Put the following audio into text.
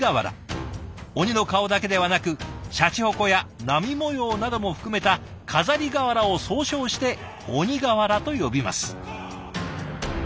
鬼の顔だけではなくシャチホコや波模様なども含めた飾り瓦を総称して鬼瓦と呼びます。